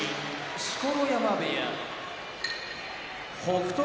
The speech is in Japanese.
錣山部屋北勝